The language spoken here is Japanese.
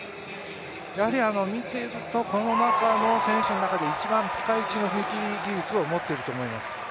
やはり見ているとこの選手の中で一番ぴかいちの踏み切り技術を持っていると思います。